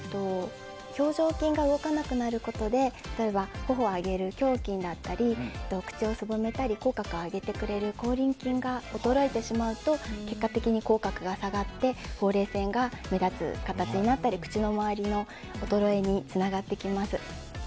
表情筋が動かなくなることで例えば、頬を上げる頬筋だったり口をすぼめたり口角を上げてくれる口輪筋が衰えてしまうと結果的に口角が下がってほうれい線が目立つ形になったり口の周りの衰えにつながってきます。